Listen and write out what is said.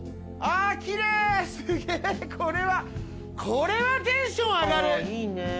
これはテンション上がる。